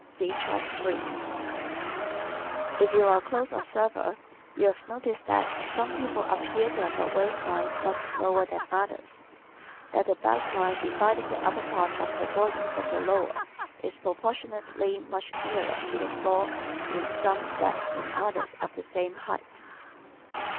(See Chart 3) If you are a close observer you have noticed that some people appear to have a waist line much lower than others; that the belt line dividing the upper part of the body from the lower is proportionately much nearer the floor in some than in others of the same height.